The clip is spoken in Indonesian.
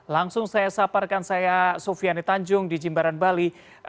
langsung saya saparkan saya sufiani tanjung di jimbaran bali